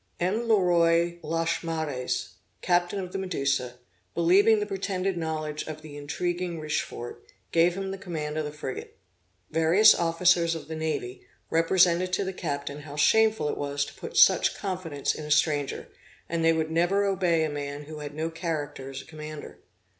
M. Le Roy Lachaumareys, captain of the Medusa, believing the pretended knowledge of the intriguing Richefort, gave him the command of the frigate. Various officers of the navy, represented to the captain how shameful it was to put such confidence in a stranger, and they would never obey a man who had no character as a commander.